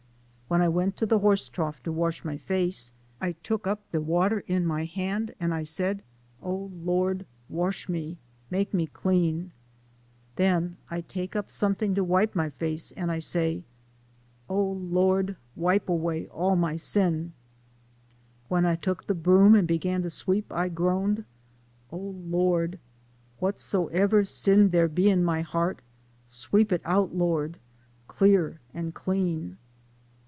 When I went to de horse trough to wash my face, I took up do water in my han' an' I said, ' Oh Lord, wash me, make me clean !' Den I take up something to wipe my face, an' I say, ' Oh Lord, wipe away all my sin !' When I took de broom and began to sweep, I groaned, ' Oh Lord, wha'soebber sin dere be in my heart, sweep it out, Lord, clur an' clean